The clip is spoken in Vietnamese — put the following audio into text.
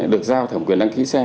được giao thẩm quyền đăng ký xe